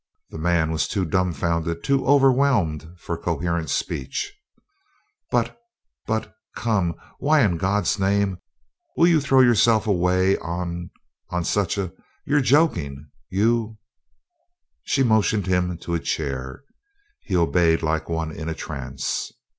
The man was too dumbfounded, too overwhelmed for coherent speech. "But but come; why in God's name will you throw yourself away on on such a you're joking you " She motioned him to a chair. He obeyed like one in a trance.